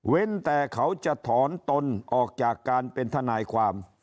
แต่เขาจะถอนตนออกจากการเป็นทนายความ